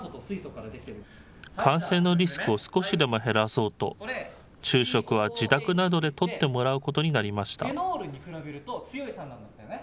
感染のリスクを少しでも減らそうと、昼食は自宅などでとってもらうことになりました。